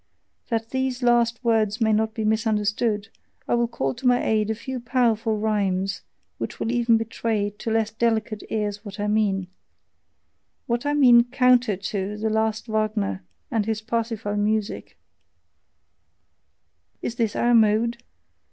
That these last words may not be misunderstood, I will call to my aid a few powerful rhymes, which will even betray to less delicate ears what I mean what I mean COUNTER TO the "last Wagner" and his Parsifal music: Is this our mode?